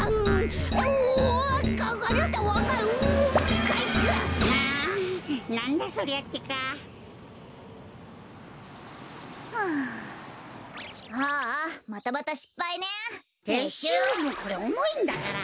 これおもいんだから。